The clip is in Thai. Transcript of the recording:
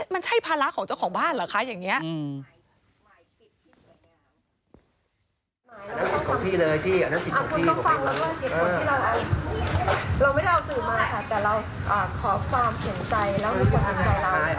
มันใช่ภาระของเจ้าของบ้านเหรอคะอย่างนี้